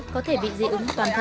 có thể bị dị ứng toàn thân